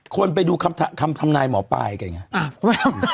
คนไปดูคำถามนายหมอป้ายกันอย่างเงี้ย